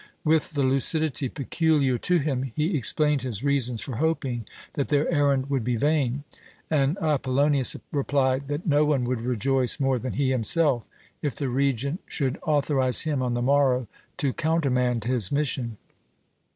With the lucidity peculiar to him, he explained his reasons for hoping that their errand would be vain, and Apollonius replied that no one would rejoice more than he himself if the Regent should authorize him, on the morrow, to countermand his mission.